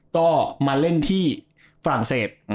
ก็มาเล่นที่ฝรั่งเศส